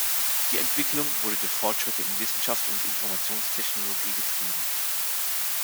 Die Entwicklung wurde durch Fortschritte in Wissenschaft und Informationstechnologie getrieben.